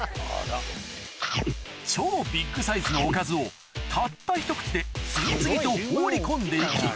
超ビッグサイズのおかずをたったひと口で次々と放り込んでいき